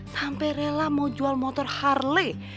sampai rela mau jual motor harley